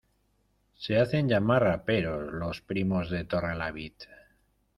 Se hacen llamar raperos, los primos de Torrelavit.